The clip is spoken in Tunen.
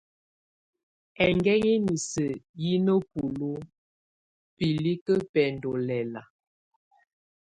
Ɛnguɛŋɛ inisə yɛ nabulu bilikə bɛndɔ lɛla.